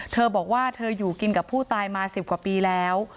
เธอบอกว่าเธออยู่กินกับผู้ตายมา๑๐กว่าปีแล้ว